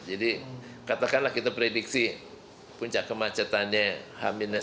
jadi katakanlah kita prediksi puncak kemacetannya h